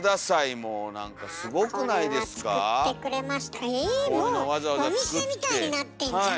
もうお店みたいになってんじゃん！